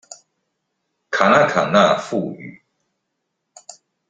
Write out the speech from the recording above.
卡那卡那富語